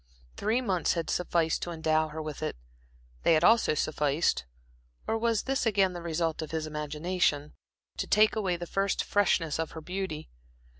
Three months had sufficed to endow her with it. They had also sufficed or was this again the result of his imagination? to take away the first freshness of her beauty.